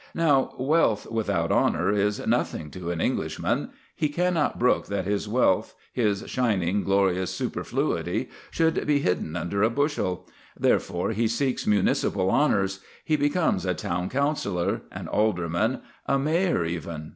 Now, wealth without honour is nothing to an Englishman. He cannot brook that his wealth, his shining, glorious superfluity, should be hidden under a bushel. Therefore he seeks municipal honours; he becomes a town councillor, an alderman, a mayor even.